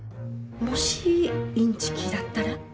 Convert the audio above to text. もしインチキだったら。